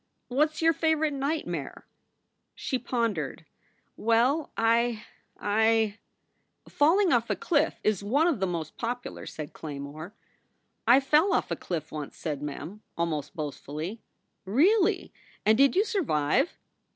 "What s your favorite nightmare?" She pondered. "Well, I I " Falling off a cliff is one of the most popular," said Clay more. SOULS FOR SALE 231 "I fell off a cliff once," said Mem, almost boastfully. "Really! And did you survive?"